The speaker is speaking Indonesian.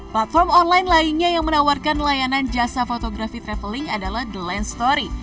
platform online lainnya yang menawarkan layanan jasa fotografi traveling adalah the land story